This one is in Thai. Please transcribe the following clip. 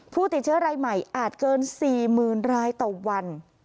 ผู้ติดเชื้อรายใหม่อาจเกิน๔๐๐๐รายต่อวัน